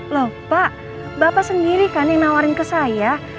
loh pak bapak sendiri kan yang nawarin ke saya